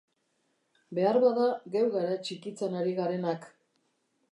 Beharbada geu gara txikitzen ari garenak.